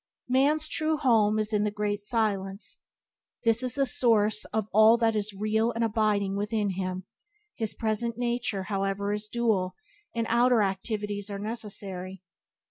Man's true Home is in the Great Silence — this is the source of all that is real and abiding within him; his present nature, however, is dual, and outer activities are necessary.